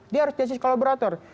dia harus dikasih kolaborator